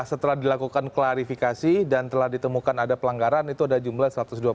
setelah dilakukan klarifikasi dan telah ditemukan ada pelanggaran itu ada jumlah satu ratus dua puluh